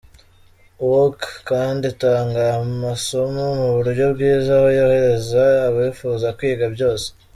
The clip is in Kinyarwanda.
UoK kandi itanga aya masomo mu buryo bwiza aho yorohereza abifuza kwiga byose.